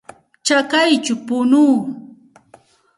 Chakayćhaw punuu.